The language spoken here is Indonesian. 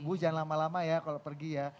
gue jangan lama lama ya kalau pergi ya